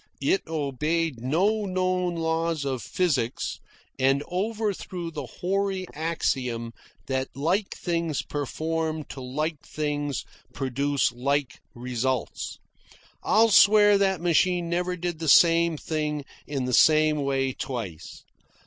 It obeyed no known laws of physics, and overthrew the hoary axiom that like things performed to like things produce like results. I'll swear that machine never did the same thing in the same way twice.